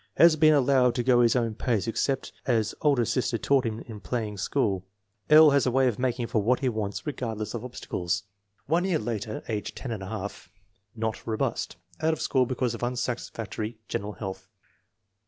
Has been allowed to go his own pace, except as older sister taught him in playing school. L. has a way of making for what he wants regardless of obstacles. FORTY ONE SUPERIOR CHILDREN 213 One year later, age 10J. Not robust; out of school because of unsatisfactory general health.